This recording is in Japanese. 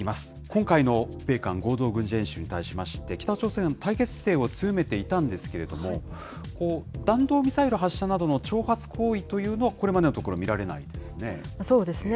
今回の米韓合同軍事演習に対しまして、北朝鮮、対決姿勢を強めていたんですけれども、弾道ミサイル発射などの挑発行為というのは、これまでのところ見られないですね。